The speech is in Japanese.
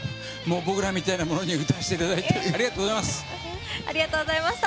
僕らみたいなものに歌わせていただいてありがとうございます。